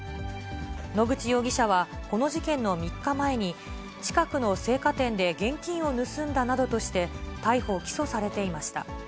野口容疑者はこの事件の３日前に、近くの青果店で現金を盗んだなどとして、逮捕・起訴されていました。